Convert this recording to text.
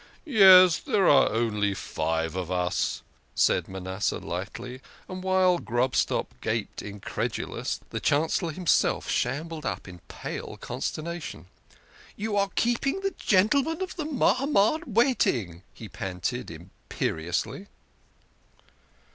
" Yes, there are only five of us," said Manasseh lightly, and, while Grobstock gaped incredulous, the Chancellor himself shambled up in pale consternation. " You are keeping the gentlemen of the Mahamad wait ing," he panted imperiously.